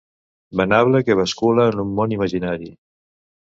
Venable que bascula en un món imaginari.